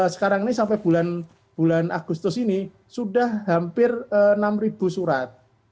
sekarang ini sampai bulan agustus ini sudah hampir enam surat